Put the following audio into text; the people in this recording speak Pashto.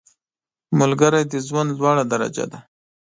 ملګری د ژوند لوړه درجه ده